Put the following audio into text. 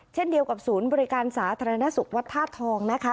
เช่นเดียวกับศูนย์บริการสาธารณสุขวัดธาตุทองนะคะ